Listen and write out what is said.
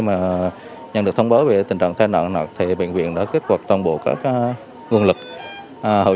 bệnh nhân được thông báo về tình trạng thai nạn thì bệnh viện đã kết quả toàn bộ các nguồn lực hậu